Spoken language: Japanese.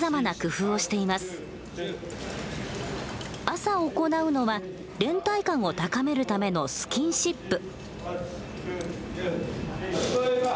朝行うのは連帯感を高めるためのスキンシップ。